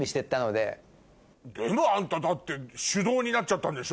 でもあんただって手動になっちゃったんでしょ？